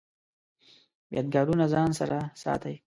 یادګارونه ځان سره ساتئ؟